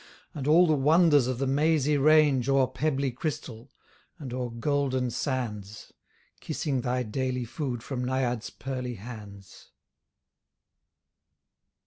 And all the wonders of the mazy range O'er pebbly crystal, and o'er golden sands; Kissing thy daily food from Naiad's pearly hands.